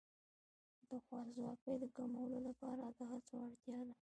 د خوارځواکۍ د کمولو لپاره د هڅو اړتیا ده.